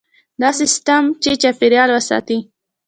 داسې سیستم چې چاپیریال وساتي.